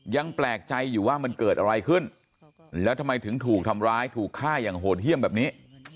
ยังแปลกใจอยู่ว่ามันเกิดอะไรขึ้นแล้วทำไมถึงถูกทำร้ายถูกฆ่าอย่างโหดเยี่ยมแบบนี้